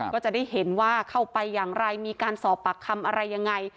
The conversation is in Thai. ก็จะได้เห็นว่าเข้าไปอย่างไรมีการสอบปากคำอะไรยังไง